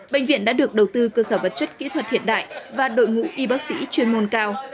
bệnh viện đã được đầu tư cơ sở vật chất kỹ thuật hiện đại và đội ngũ y bác sĩ chuyên môn cao